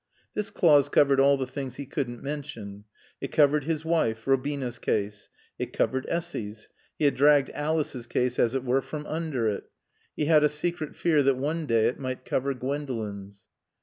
This clause covered all the things he couldn't mention. It covered his wife, Robina's case; it covered Essy's; he had dragged Alice's case as it were from under it; he had a secret fear that one day it might cover Gwendolen's.